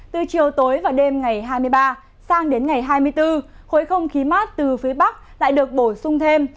từ chiều tối và đêm ngày hai mươi ba sang đến ngày hai mươi bốn khối không khí mát từ phía bắc lại được bổ sung thêm